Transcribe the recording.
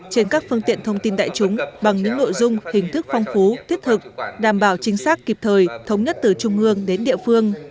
trên các phương tiện thông tin đại chúng bằng những nội dung hình thức phong phú thiết thực đảm bảo chính xác kịp thời thống nhất từ trung ương đến địa phương